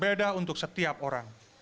berbeda untuk setiap orang